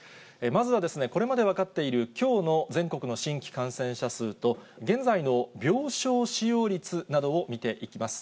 まずは、これまで分かっている、きょうの全国の新規感染者数と現在の病床使用率などを見ていきます。